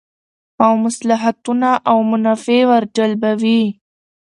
او مصلحتونه او منافع ور جلبوی